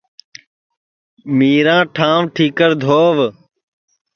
مِیراں ٹھانٚوَ ٹھِیکر دھووَ